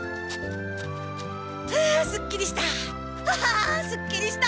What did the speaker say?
あすっきりした！